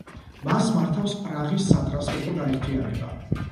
მას მართავს პრაღის სატრანსპორტო გაერთიანება.